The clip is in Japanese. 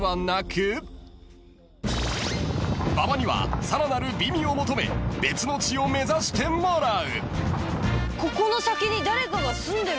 ［馬場にはさらなる美味を求め別の地を目指してもらう］